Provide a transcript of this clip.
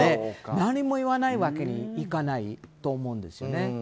何も言わないわけにはいかないと思うんですね。